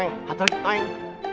teng satu lagi teng